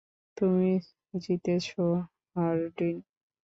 তুমি জিতেছ, হার্ডিন।